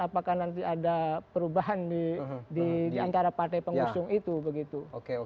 apakah nanti ada perubahan di antara partai pengusung itu begitu